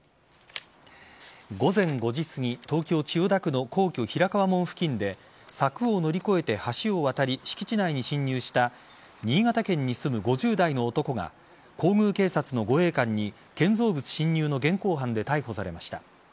午前５時すぎ東京・千代田区の皇居・平川門付近で柵を乗り越えて、橋を渡り敷地内に侵入した新潟県に住む５０代の男が皇宮警察の護衛官に建造物侵入の現行犯で逮捕されました。